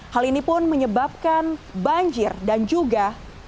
hal ini pun menyebabkan banjir dan juga